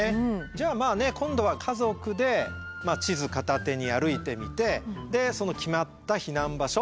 じゃあまあね今度は家族で地図片手に歩いてみてでその決まった避難場所